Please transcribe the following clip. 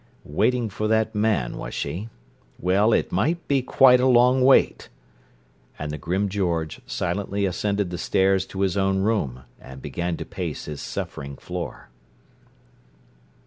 Waiting for that man, was she? Well, it might be quite a long wait! And the grim George silently ascended the stairs to his own room, and began to pace his suffering floor.